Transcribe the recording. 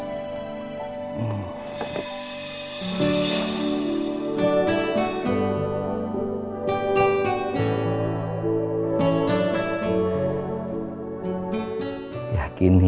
makanan apa ini yang dibawain pangeran